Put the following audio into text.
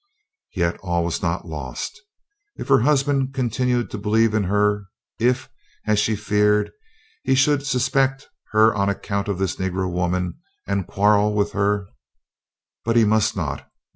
Yet all was not lost, if her husband continued to believe in her. If, as she feared, he should suspect her on account of this Negro woman, and quarrel with her But he must not.